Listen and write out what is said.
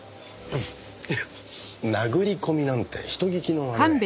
フッ殴り込みなんて人聞きの悪い。